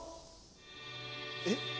えっ？